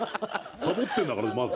サボってんだからまず。